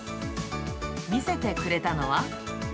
見せてくれたのは。